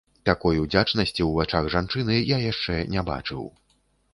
Такой удзячнасці ў вачах жанчыны я яшчэ не бачыў.